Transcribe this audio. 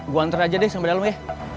gue anter aja deh sampai dalam ya